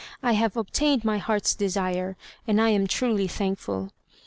I have obtained my heart's desire, and am truly thankful."